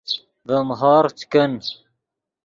ڤیم ہورغف چے کن